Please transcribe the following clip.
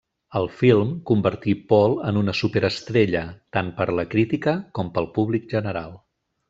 El film convertí Paul en una superestrella, tant per la crítica com pel públic general.